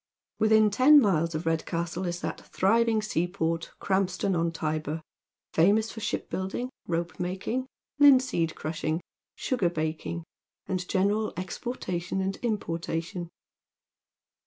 Within ten miles of Redcastle is that thriving seaport, Krampston on Tybur, famous for shipbuilding, ropemaking, linseed crushing, sugar baking, and general exportation and importation.